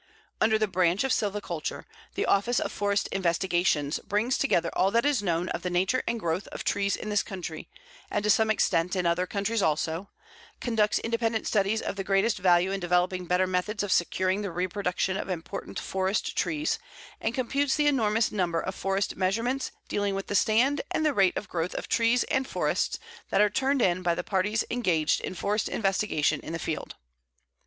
Under the Branch of Silviculture, the Office of Forest Investigations brings together all that is known of the nature and growth of trees in this country, and to some extent in other countries also, conducts independent studies of the greatest value in developing better methods of securing the reproduction of important forest trees, and computes the enormous number of forest measurements dealing with the stand and the rate of growth of trees and forests that are turned in by the parties engaged in forest investigation in the field.